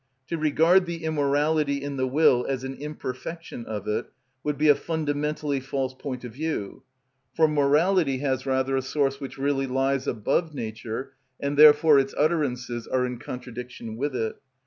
To regard the immorality in the will as an imperfection of it would be a fundamentally false point of view. For morality has rather a source which really lies above nature, and therefore its utterances are in contradiction with it.